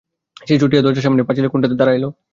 সে ছুটিয়া দরজার সামনে পাচিলের কোণটাতে দাঁড়াইল।